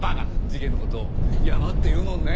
事件の事「ヤマ」って言うもんね。